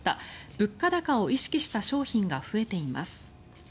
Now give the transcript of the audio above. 物価高を意識した商品が増えています。